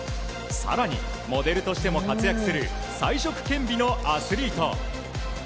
さらに、モデルとしても活躍する才色兼備のアスリート。